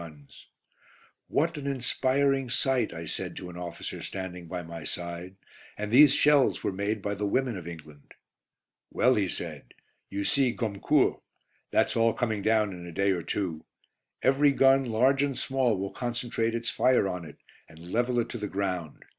IT WAS HERE THAT I EARNED THE SOUBRIQUET "MALINS OF NO MAN'S LAND"] "What an inspiring sight," I said to an officer standing by my side, "and these shells were made by the women of England." "Well," he said, "you see Gommecourt; that's all coming down in a day or two. Every gun, large and small, will concentrate its fire on it, and level it to the ground.